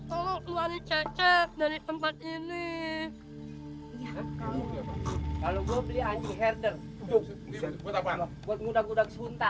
kalo lecet dari tempat ini ya kalau gue beli adik herder foreign buat update hai buat mudag udag sungta